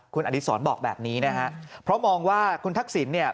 คุณอดีศรบอกแบบนี้นะฮะเพราะมองว่าคุณทักษิณเนี่ย